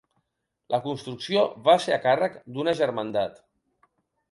La construcció va ser a càrrec d'una germandat.